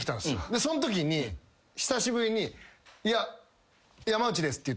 そのときに久しぶりに「いや山内です」って言ったら。